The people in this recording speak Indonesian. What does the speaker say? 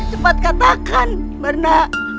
cepat katakan warna